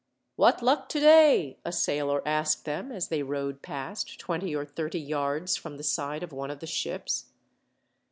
"What luck today?" a sailor asked them as they rowed past, twenty or thirty yards from the side of one of the ships.